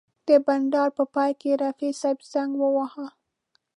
د بنډار په پای کې رفیع صاحب زنګ وواهه.